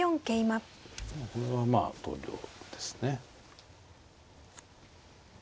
これはまあ投了ですね。